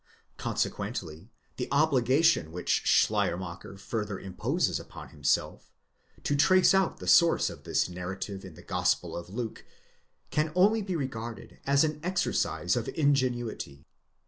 Consequently the obligation which Schleier macher further imposes upon himself, to trace out the source of this narrative in the Gospel of Luke, can only be regarded as an exercise of ingenuity.